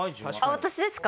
私ですか？